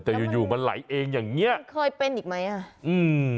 แต่อยู่อยู่มันไหลเองไม่เคยครอบนี้อีกไหม